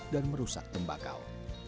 dan merusak tembakau